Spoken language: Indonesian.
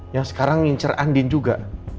yang sekarang ngincer andin juga